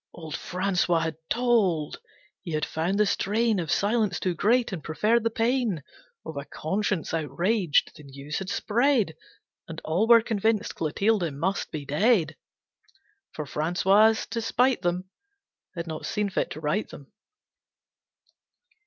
Old Francois had told. He had found the strain Of silence too great, and preferred the pain Of a conscience outraged. The news had spread, And all were convinced Clotilde must be dead. For Francois, to spite them, Had not seen fit to right them.